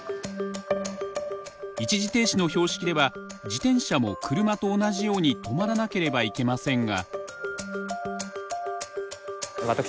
一時停止の標識では自転車も車と同じように止まらなければいけませんが。